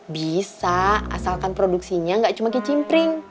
bisa asalkan produksinya nggak cuma kicimpring